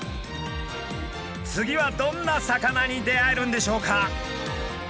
次はどんな魚に出会えるんでしょうか？